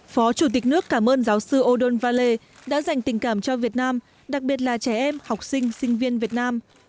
phó chủ tịch nước cảm ơn giáo sư odon vale đã dành tình cảm cho việt nam đặc biệt là trẻ em học sinh sinh viên việt nam